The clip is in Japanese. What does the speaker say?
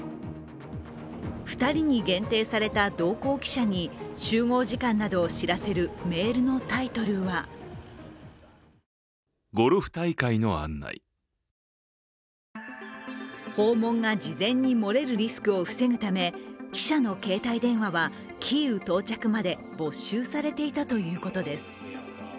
２人に限定された同行記者に集合時間などを知らせるメールのタイトルは訪問が事前に漏れるリスクを防ぐため記者の携帯電話はキーウ到着まで没収されていたということです。